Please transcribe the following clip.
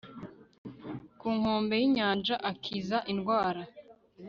ku nkombe y inyanja akiza indwara